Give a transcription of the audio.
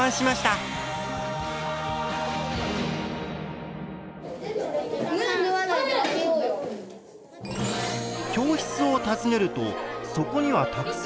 教室を訪ねるとそこにはたくさんの古着が。